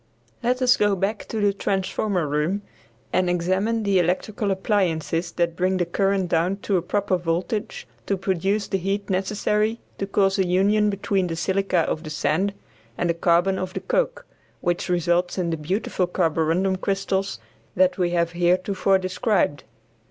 Let us go back to the transformer room and examine the electrical appliances that bring the current down to a proper voltage to produce the heat necessary to cause a union between the silica of the sand and the carbon of the coke, which results in the beautiful carborundum crystals that we have heretofore described.